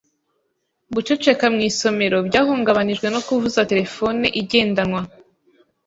Guceceka mu isomero byahungabanijwe no kuvuza terefone igendanwa